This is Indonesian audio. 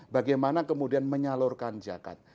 bagaimana kemudian menyalurkan zakat